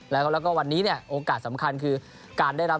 แล้วก็วันนี้เนี่ยโอกาสสำคัญคือการได้รับ